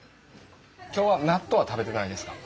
今日は納豆は食べてないですか？